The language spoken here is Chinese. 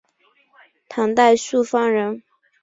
唐代朔方人。